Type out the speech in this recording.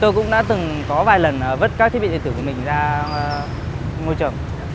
tôi cũng đã từng có vài lần vứt các thiết bị điện tử của mình ra môi trường